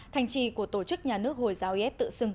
thành trì của tổ chức nhà nước hồi giáo is tự xưng